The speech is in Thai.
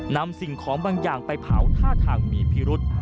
สิ่งของบางอย่างไปเผาท่าทางมีพิรุษ